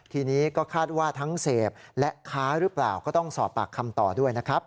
ทีนี้ก็คาดว่าทั้งเสพและค้าหรือเปล่าก็ต้องสอบปากคำต่อด้วยนะครับ